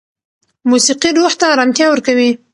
موسیقي روح ته ارامتیا ورکوي.